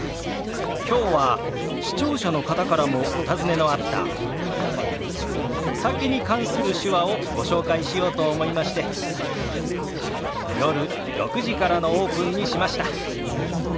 きょうは視聴者の方からもお尋ねのあったお酒に関する手話をご紹介しようと思いまして夜６時からのオープンにしました。